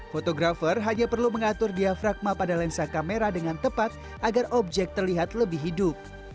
fotografer hanya perlu mengatur diafragma pada lensa kamera dengan tepat agar objek terlihat lebih hidup